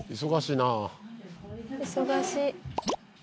忙しいな。